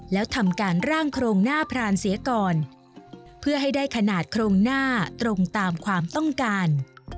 แล้วทำการร่างโครงหน้าพรานเสียก่อนเพื่อให้ได้ขนาดโครงหน้าตรงตามความต้องการ